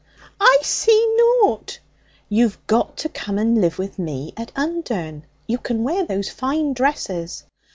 'I see nought.' 'You've got to come and live with me at Undern. You can wear those fine dresses.'